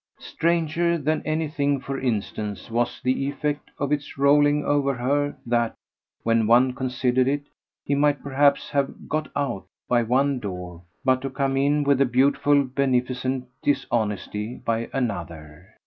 Stranger than anything for instance was the effect of its rolling over her that, when one considered it, he might perhaps have "got out" by one door but to come in with a beautiful beneficent dishonesty by another.